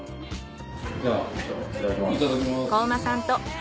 ではいただきます。